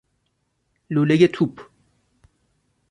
لولۀ توپ